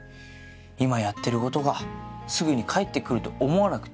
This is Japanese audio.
今やってることがすぐに返ってくると思わなくていい。